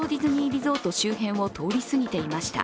リゾート周辺を通り過ぎていました。